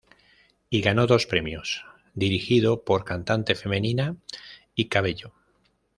Y ganó dos premios: "Dirigido por cantante femenina" y "Cabello".